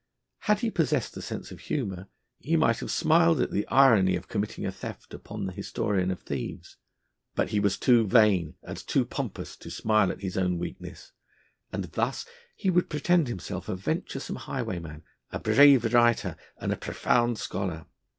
Had he possessed a sense of humour, he might have smiled at the irony of committing a theft upon the historian of thieves. But he was too vain and too pompous to smile at his own weakness, and thus he would pretend himself a venturesome highwayman, a brave writer, and a profound scholar.